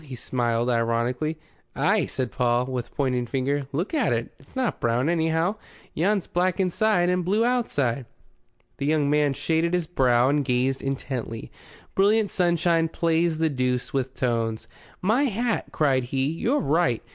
He smiled ironically. "Ay," said Paul, with pointing finger. "Look at it. It's not brown, anyhow. Yon's black inside and blue outside." The young man shaded his brow and gazed intently. Brilliant sunshine plays the deuce with tones. "My hat!" cried he, "you're right.